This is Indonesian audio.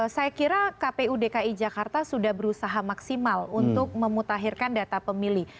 saya kira kpu dki jakarta sudah berusaha maksimal untuk memutahirkan data pemilih